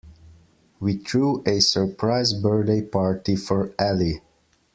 We threw a surprise birthday party for Ali.